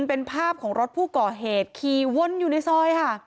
เป็นภาพของรถผู้ก่อเหตุขี่วนอยู่ในซอยค่ะ